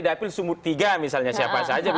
dapil sumur tiga misalnya siapa saja